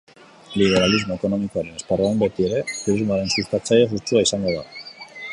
Liberalismo ekonomikoaren esparruan beti ere, turismoaren sustatzaile sutsua izan da.